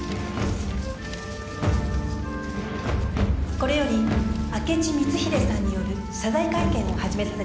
これより明智光秀さんによる謝罪会見を始めさせて頂きます。